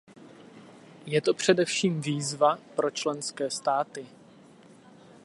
Je to především výzva pro členské státy.